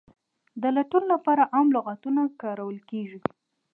د لټون لپاره عام لغتونه کارول کیږي.